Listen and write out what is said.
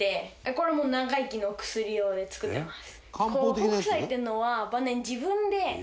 これも長生きのお薬用で作ってます。